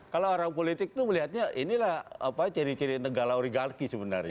kalau orang politik itu melihatnya inilah ciri ciri negara origalki sebenarnya